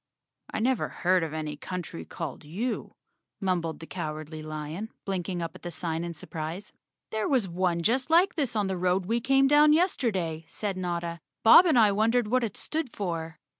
"I never head of any country called U," mumbled the Cowardly Lion, blinking up at the sign in surprise. "There was one just like this on the road we came down yesterday," said Notta. "Bob and I wondered what it stood for."